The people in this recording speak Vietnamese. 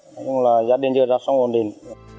nhưng là gia đình chưa ra sống hoàn định